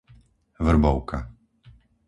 Vrbovka